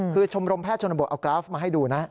คือชมรมแพทย์ชนบทเอากราฟมาให้ดูนะ